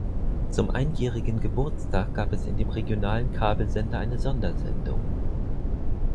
Zum einjährigen Geburtstag gab es in dem regionalen Kabelsender eine Sondersendung.